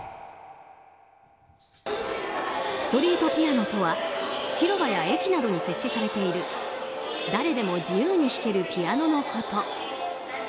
ストリートピアノとは広場や駅などに設置されている誰でも自由に弾けるピアノのこと。